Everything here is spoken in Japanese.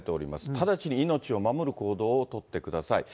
直ちに命を守る行動を取ってください。